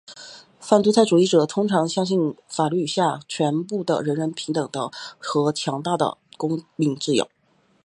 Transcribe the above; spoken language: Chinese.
反独裁主义者通常相信法律下全面的人人平等的和强大的公民自由。